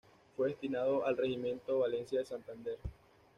Fue destinado al Regimiento Valencia de Santander.